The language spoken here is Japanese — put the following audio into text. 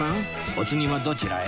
お次はどちらへ？